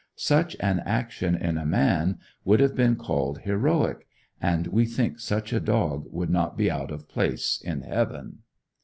Such an action in a man would have been called heroic; and we think such a dog would not be out of place in heaven.